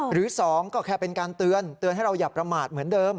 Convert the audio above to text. หรือ๒ก็แค่เป็นการเตือนเตือนให้เราอย่าประมาทเหมือนเดิม